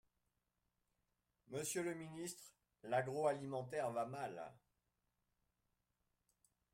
Monsieur le ministre, l’agroalimentaire va mal.